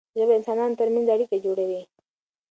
ژبه د انسانانو ترمنځ اړیکه جوړوي.